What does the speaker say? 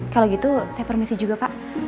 kalau gitu saya permisi juga pak